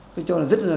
tôi cho là rất là